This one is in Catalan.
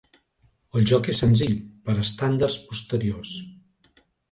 El joc és senzill per estàndards posteriors.